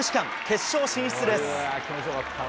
決勝進出です。